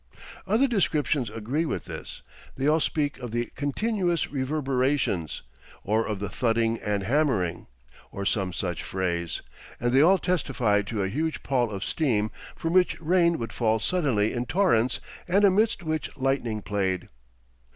Other descriptions agree with this; they all speak of the 'continuous reverberations,' or of the 'thudding and hammering,' or some such phrase; and they all testify to a huge pall of steam, from which rain would fall suddenly in torrents and amidst which lightning played.